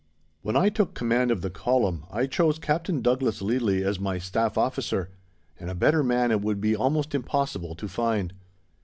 When I took command of the Column I chose Captain Douglas Leadley as my Staff Officer, and a better man it would be almost impossible to find.